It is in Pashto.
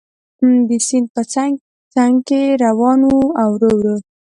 د سیند په څنګ څنګ کې روان و او ورو ورو.